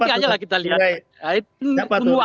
siapa tuh siapa tuh